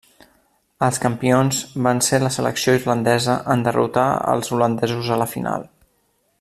Els campions van ser la selecció irlandesa en derrotar els holandesos a la final.